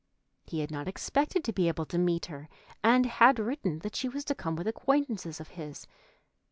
He had not expected to be able to meet her and had written that she was to come with acquaintances of his.